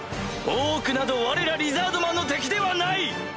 オークなどわれらリザードマンの敵ではない！